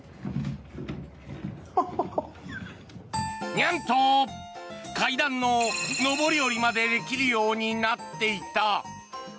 にゃんと階段の上り下りまでできるようになっていた。